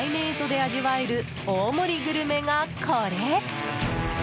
蝦夷で味わえる大盛りグルメが、これ。